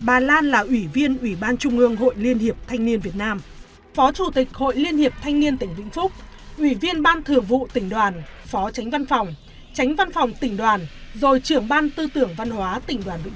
bà lan được bầu làm ủy viên ban chấp hành trung ương đảng